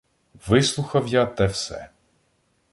Вислухав я те все.